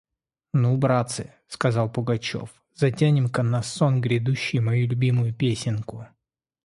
«Ну, братцы, – сказал Пугачев, – затянем-ка на сон грядущий мою любимую песенку.